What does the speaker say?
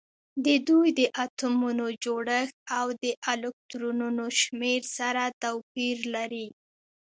د دوی د اتومونو جوړښت او د الکترونونو شمیر سره توپیر لري